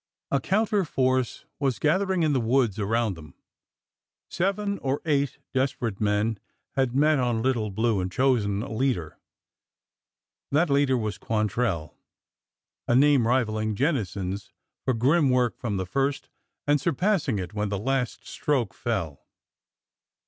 A counter force was gathering in the woods around them. Seven or eight desperate men had met on Little Blue and chosen a leader. That leader was Quantrell — a name rivaling Jennison's for grim work from the first, and surpassing it when the last stroke fell.